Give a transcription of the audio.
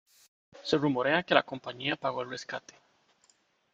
Se rumorea que la compañía pagó el rescate.